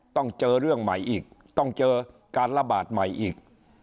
ต้องเจอเรื่องใหม่อีกต้องเจอการระบาดใหม่อีก